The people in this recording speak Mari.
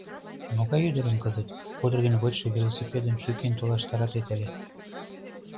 Могай ӱдырым кызыт пудырген вочшо велосипедым шӱкен толаш таратет ыле?